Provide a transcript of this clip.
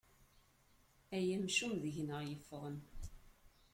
Ay amcum deg-neɣ yeffɣen.